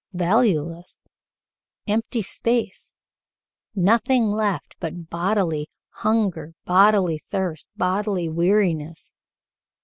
Valueless. Empty space. Nothing left but bodily hunger, bodily thirst, bodily weariness.